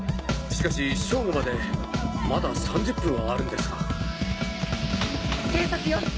しかし正午までまだ３０分はあるんですが。